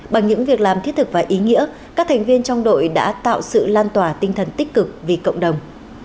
bằng những việc làm thiết thực và ý nghĩa các thành viên trong đội đã tạo sự lan tỏa tinh thần tích cực vì cộng đồng